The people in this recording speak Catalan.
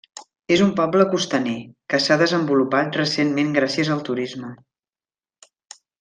És un poble costaner, què s'ha desenvolupat recentment gràcies al turisme.